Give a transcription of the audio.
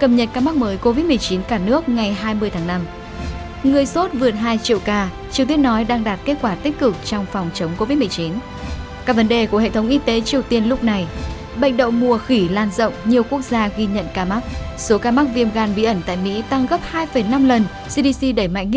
cảm ơn quý vị và các bạn đã theo dõi